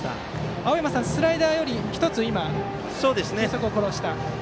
青山さん、スライダーより１つ、球速を殺した球でした。